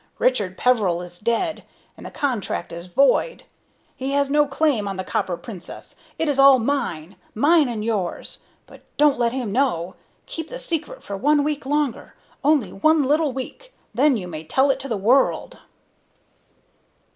Richard Peveril is dead, and the contract is void. He has no claim on the Copper Princess. It is all mine. Mine and yours. But don't let him know. Keep the secret for one week longer only one little week then you may tell it to the world."